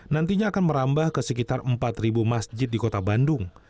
nantinya akan merambah ke sekitar empat masjid di kota bandung